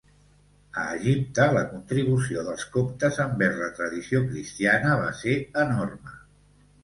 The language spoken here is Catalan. A Egipte, la contribució dels coptes envers la tradició cristiana va ser enorme.